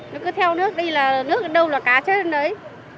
nó cứ theo nước đi là nước ở đâu là cá chết lên đấy